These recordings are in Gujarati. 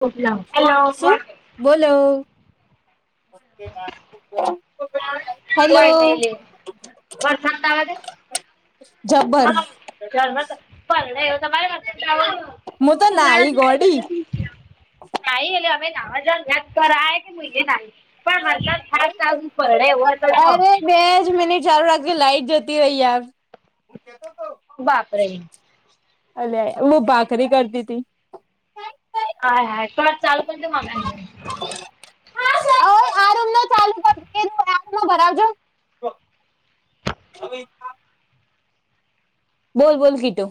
હેલો શું બોલો. હેલો કોઈ નઈ લે વરસાદ આવા દે. જબર [unintelligible] [inaudible] હું તો નાઈ ગોડી ના એ હવે નાવા જ્યાત કરાય કે મુિ્ય ના પણ હરથ ખાસ અજ ફડ હો. અરે બે જ મિનિટ ચાલુ રાખજે લાઈઇટ જતી રહી એમ. બાપ રે. અલયા હું ભાખરી કરતી હતી. હાય હાય પણ ચાલ પણ તો માગા લે. ચાલ ભરાજો [inaudible] બોલ બોલ કીટું.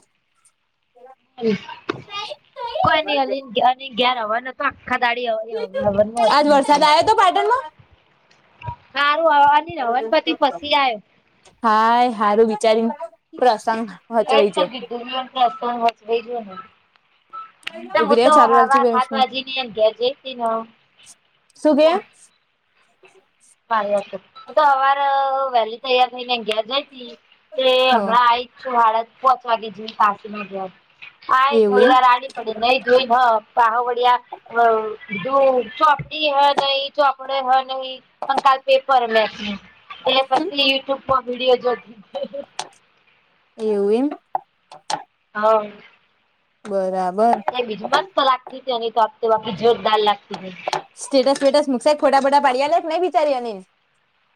કોઈ નઈ અલી અ ઘેર આવવાનું. આખા દાળી આવાની આજ વરસાદ આવ્યો આવાની. તો પાટણમાં સારું અવાજ. હાય હારું વિચારીયુ. પ્રસંગ હચવય જો. રસ્તો વચ થ‌ઇ જો ને. હું ઉભી રે તો ચાલુ રાખજે હવાર બે હાત જ મિનિટ વાગે ની એને ઘેર જઈ હતી ને. સુ કે. હ [unintelligible] મારી વાત તો હું તો અવાર વેલી તૈયાર થઈ ને ઘેર ગ‌ઇ તી તે હા હમણાં આ‌ઇ. સુહળ પોચવાગે જે પાછી ના જાય આય એવું થોડી એમ વાર આડી. પડ નહી જોઈ હ પાહા વડિયા વ તો પ. એ હ નહી તો આપડે હ નહી પણ કાલ પેપર વેયા છે એને પછી યુટ્યુબ. કો વિડીયો જોત. એવું એમ. હા. બરાબર. બીજું મસ્ત લાગતી હતી, તોકી વક્તે જોરદાર લાગતી હતી. સ્ટેટસ વેટસ મુકસે ફોટા બોટા પાડીયા આલિયા ને કે નઈ વિચારીયા ને.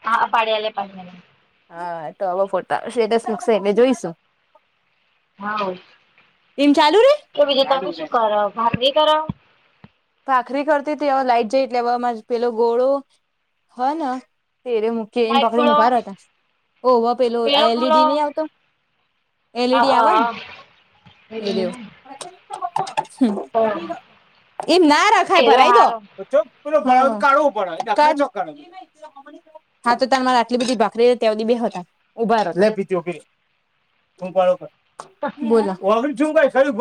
હા પાડી આલયા પાડી આલયા હા તો હવે ફોટા આવશે સ્ટેટસ મુકશે એટલે જોઈશું. હા એમ ચાલુ રે? તો બીજું તમે શું કરો ભાખરી કરો? ભાખરી કરતી હતી અ લાઈટ જઈ એટલે હવે માર પેલો ગોળો હ ન એરો મૂક કે એમ લાઈટ પકડીને કરો ઉભા રેતા ઓ વા પેલો તે એલઈડી નહી લોકોનો આવતો. એલઈડી આવને એ રેયુ. હું. એમ ના રખાય હેરો ભરાય દો હારો ચો પેલુ કા કાળું પડે. [inaudible] હા તો તમાર આટલી બધી ભાખરી હતી તેવી દિ બે હતા. ઉભારો લે બીજો બી. હું પાળો. બોલાગ છું ભાઈ [inaudible] સ્વરૂપ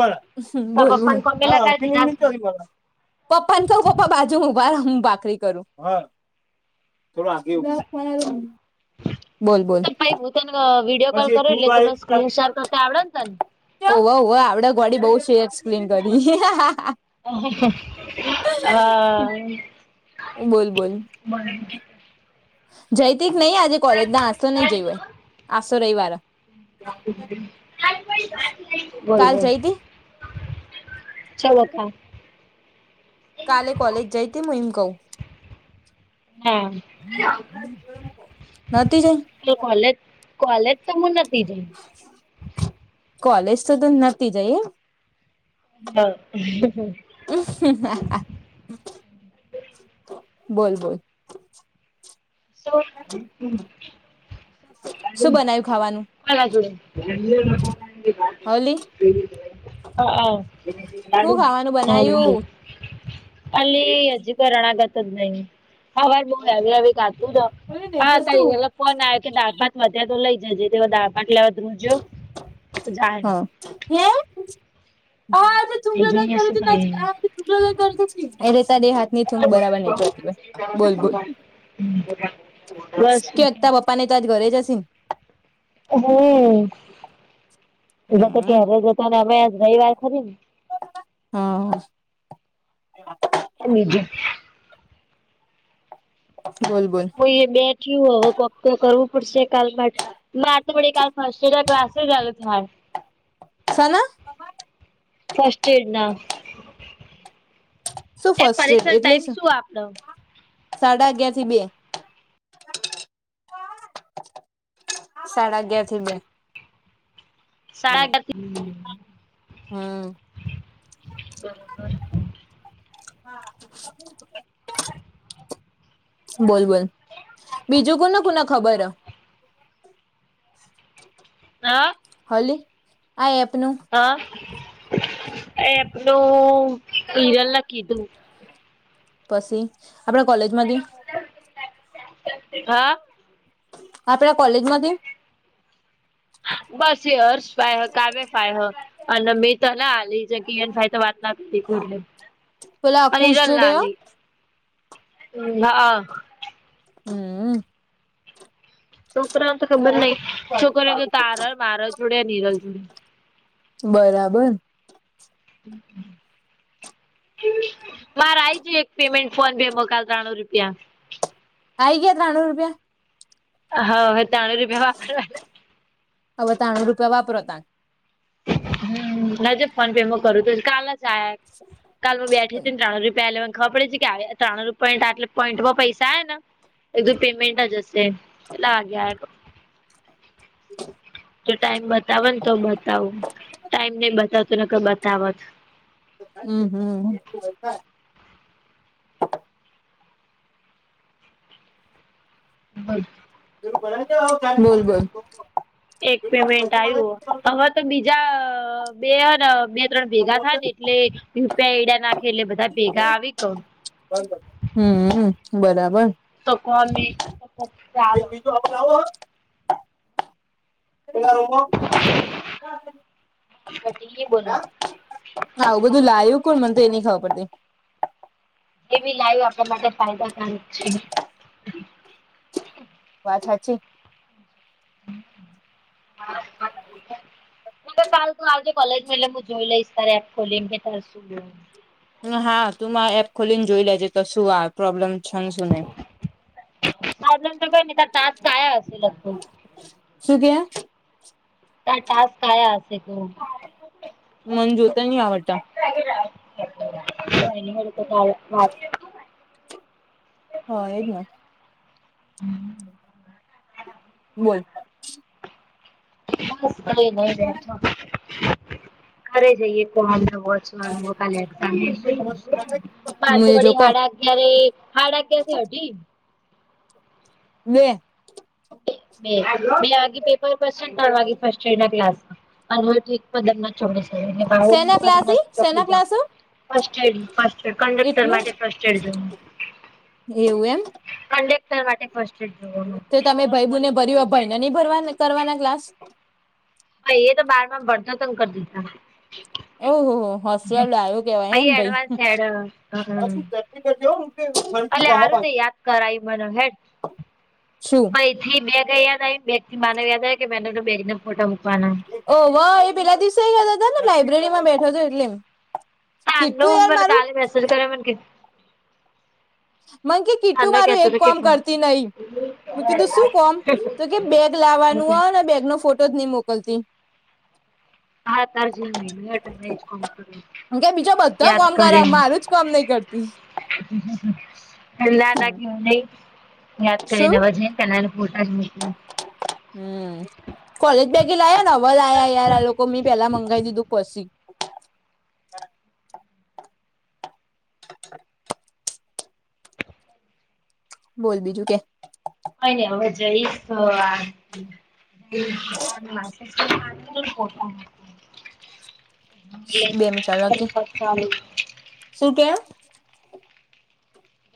તો બોલ બોલ પપ્પાને પગે લગાડી દીધા છે. અર્થ પપ્પા ને ક‌ઉ પપ્પા બાજુ ઊભા રો હું ભાખરી કરું હ. [inaudible] [inaudible] બોલ બોલ તો પહી હું તને વિડીયો કોલ પછી. કરું એટલે તું મને સ્ક્રીન શેર કરતા આવડે ને તને? [inaudible] હોવ હોવ આવડે ગાડી બઉ શેર એક્સપ્લીન કરી. અ બોલ બોલ. બરા [inaudible] જઈતી નહી આજે કોલેજ ના આજતો નહી જય હોય આજ તો રવિવાર અ. બોલ કાલ બોલ. જઈતી ચલો તાણ. કાલે કોલેજ જઈ તે હું એમ કહું? હે. નતી જઈ તો કોલેજ કોલેજ તો મુ નતી જઈ. કોલેજ તો તું નતી જઈ અહ. હા. બોલ બોલ. સો હમ્મ. શું બનાયું ખાવા આગા જોડે. હલી હ અહ હું ખાવાનું હા બોલ બનાયું અલી હજી ગરાણા ગચત નહી. હવારે બહુ હેવી હેવી ખાધું તો આ તારી ઓલા ફોન આવ કે દા ભાત વધ્યા તો લઈ જજે તે દા ભાત લેવા દૂર જાઉં. હ. એ જોઈએ શું કરીએ એલે તારી હાથ ની થૂક બરાબર નઈ કરતી બોલ બોલ. હમ્મ. કે અત્ય પપ્પા ને તો આજ ઘરે જ હશે ને. હમ્મ જતો હમ ક્યારે જતો ને આજ રવીવાર ખરી ને? હા. એ લઈ ગ્યા. બોલ બોલ. કોઈ એ બેઠું હો કોક તો કરવું પડશે કાલ માટ બાર તો બડે ફાસ્ટ ટ્રેક્ટ ના ક્લાસેસ આયો થા. સા ના? ફસ્ટ એડ ના. શું એ ફસ્ટ એડ પરીક્ષા એટલે ટાઈમ શું? આપડો સાડા અગયાર થી બે. સાડા અગિયાર થી બે. હમ સાડાગ બ હમ બરોબર. હા. બોલ બોલ બીજું કોને કોને ખબર હ? અહા. હોલી આ એપ નું હા, એપ નું હિરલ ના કીધું. પછી આપડા કોલેજ માં બી હા. આપડા કોલેજ માં દી બસ યે હર્સ ફાય કાર રે ફાય હ અને મી ત ના આલી. જેન પી એન ફાય તો વાત ના કરતીલે પેલા એની આખુશ એર જોડે હ લાલી. હ હા હા. હમ્મ. છોકરાને તો ખબર નહીં છોકરી ઓને તો તારે મારે જોડે નીરલ જોડે. બરાબર. હમ્મ, હમ્મ. મારે આઈજ એક પેમેન્ટ ફોન પે માં કાલ ત્રાણું રૂપિયા. આઈ ગયા ત્રાણું રૂપિયા. હ હવે ત્રાનું રૂપિયા વાપરા આલે. હવે ત્રાણું રૂપિયા વાપરો ત હમ્મ, નજો ફોન પે માં કરું તો કાલ જ આયા. કાલ મુ બેઠી તીન ત્રણ અજી પેલ [unintelligible] ખબરે પડે છે કે આ ત્રાણું રૂપિયા પોઈન્ટ આટલે પોઈન્ટમાં પૈસા આએ ના એધું પેમેન્ટ જ હશે. એટલા વાગ્યા આયા તો [inaudible] તો ટાઈમ બતાવ ન તો બતાવ ટાઈમ ની બતાવતો નકર બતાવત. હમ હમ. [inaudible] [unintelligible] બોલ બોલ એક પેમેન્ટ આવ્યું [unintelligible] હવે તો બીજા બે હન બે-ત્રણ ભેગા થાયને એટલે ઈસ્ટા એઈડા ના ખી લે બધા ભેગા આવી કવ. હમ, બરાબર. તો કોમે ચાલો [unintelligible] એલા રૂમમાં [unintelligible] [unintelligible] બોલો આવુ બધું લાયુ કોણ મન તો એ ની ખબર પડતી. એ બી લાયુ આપડને તો ફાયદાકારક છે. વાત સાચી. [inaudible] તું ને પાલતુ આવજે કોલેજમાં એટલે મુ જોઈ લઈશ તારે એપ ખોલીને તાર શું જો હાર, તું માર એપ ખોલીન જોઈ લેજે તો શું આ પ્રોબ્લેમ છે ને શું નઈ. સાબ તો [unintelligible] ટાસ્ક આયા હશે લગભગ. શું કે? તાર ટાસ્ક આયા હશે તો. મને જોતા નહી આવડતા [unintelligible] હઅ એ જ ને. બોલ. બસ કઈ નઈ બેઠો. ઘરે જઈએ કરાવને વોચવાનું હ કાલ એક્ઝામ [unintelligible] બાર તો મુું જો વડી કો હાડા અગિયારે, હાડા અગિયારથી અઢી વે બે, બે વાગે પેપર પતશે, ન ત્રણ વાગે ફસ્ટ યરના ક્લાસમાં. અવ મે ઠીક પદમના ચોક સેના ક્લાસી [unintelligible] સેના ચોકડી જાવ. ક્લાસ કસ્ટડી કસટડ કન્ડક્ટર એટલે માટે કસ્ટડ જવું. એવું એમ. કન્ડક્ટર માટે ફસ્ટેડ એડ જોવાનું. તે તમે ભઈબુને ભર્યું હ, ભઈને ભરવાના કરવાના ક્લાસ? હઅ એ તો બારમાંમ ભણતો તોન કર દીધા. ઓહ હો હો હોશિયાર ડાયો કેવાય પહી હેન ભઈ, એડવાન્સ હેડ અલા તું ચટણી ભરજે અલ્યા હારુ તે યાદ કરાયું મન શું હેડ થી બેગય યાદ આયુ ન બેગથી બાને યાદ આયુ કે મે અંદરનું બેગને ફોટો મૂકવાના. ઓવ એ પેલા દિવસેય કેતા તા ને, લાઈબ્રેરીમાં બેઠો તો એટલે. કીટુ તાનું યાર મને મારું કાલે મેસેજ કર્યો મને કે મન કે કીટુ તાનો મારું કેતો એક હતો કે કોમ કરતી નહી. મે કીધું શું કોમ? તો કે બેગ લાવાનું આવેને બેગનો ફોટો જ નઈ મોક કલતી. આ [unintelligible] આ તાર જેમ મેલવું હોય તે મે એ જ કોમ કર્યુ, કે બીજા બધા યાદ કોમ કર કરીન. મારું જ કોમ નહી કરતી હેલા હતા કેવું નઈ. યા કઈ શું નવા જઈન તન એના ફોટા જ મોકલું. હમ, કોલેજ બેગે લાયાન અ વલ આયા યાર આ લોકો મેં પેલા મંગાવ દીધું પસી. [inaudible] બોલ બીજું કે. કઈ ની હવે જઈશ આ [inaudible] બે મિનિટ ચાલુ રાખજે [inaudible] શું કે હ?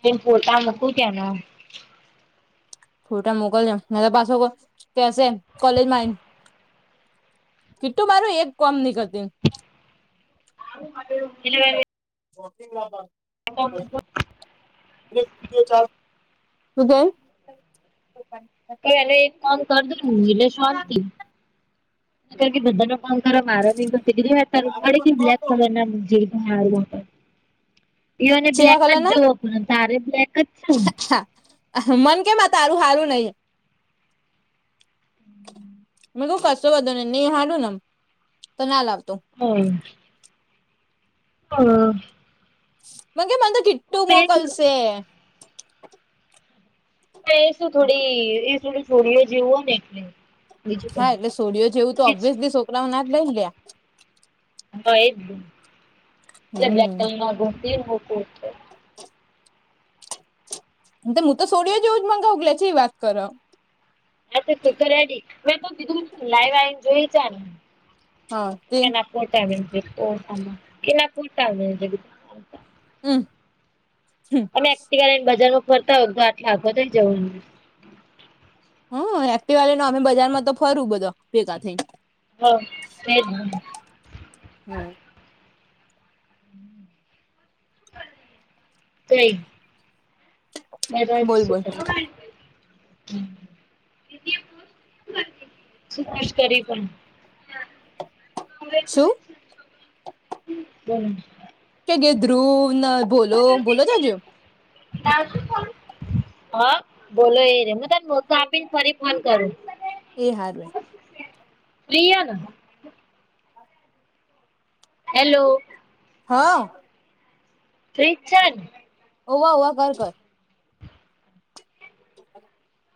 એ ફોતા મૂકું ત્યાંનો ફોટા મોકલ જા પાસો કેસે કોલેજમાં આઇન કીટું મારું એક કોમ નહી કરતી. [inaudible] શું કેહ તો એલે એક કામ કરી દો એટલે શાંતિ. કે બધાનો ફન કર મારે તો સીગ તાર પડી બ્લેક કલર ના જી મારવા એને બ્લેક ચેયા જ કલર ના જોવો પડ તારે બ્લેક જ છેને. મન કેમ તારું સારું નહી. મે ક કરશો બધું ને નહી હાડું નેમ તો ના લાવતો હમ. હમ. મં ગ મં તો કીટું મેં મોકલસેે. એ શું થોડી [unintelligible] એ થોડી છોડીઓ જેવું હોય ને એટલે. બીજું હા એટલે સોડિયો જેવું તો કઈ ઓબ્યિસલી છોકરાઓ ના જ લઈ લયા. હા એકદમ એ બ્લક કલર હમ ના [unintelligible] ઘમતી એ હું તો સોડ્યો જોવ જ મંગાઉગ લલે છે વી વાત કર. હા તો કકર રેડી મેં તો કીધું લાઈવ આવીને જોઈ ચ હા તે. ફોટા [unintelligible] કેના ફોટા [unintelligible] હમ. અને એકટીવા લેને બજાર માં ફરતા હોય તો આટલી આગો થઈ જવા. હમ એક્ટિવા લે નો અમે બજારમાં તો ફરું બધો ભેગા થઈ. હ તે જ હમ કઈ. મે બોલ શ બોલ [unintelligible] શું ખુશ કરી પણ શું બલો. કે ગ ધ્રુવ ના ભોલો ભોલો ચયા જ્યો. તજું કો હા બોલો એ રે હું તને મો તો આપીને ફરી ફોન કરું. એ હારુવેય. પ્રિયાન. હેલો. હા. ફી છેન ઓવા હોવા કઘ કર. [inaudible]